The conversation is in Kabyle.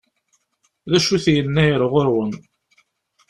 D acu-t Yennayer ɣur-wen?